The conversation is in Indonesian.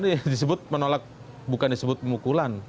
mas isnur anda disebut menolak bukan disebut pemukulan